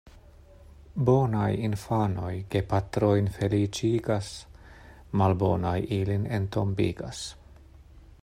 Bonaj infanoj gepatrojn feliĉigas, malbonaj ilin entombigas.